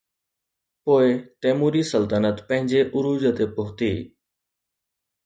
پوءِ تيموري سلطنت پنهنجي عروج تي پهتي.